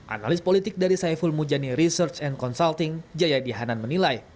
analis politik dari saiful mujani research and consulting jayadi hanan menilai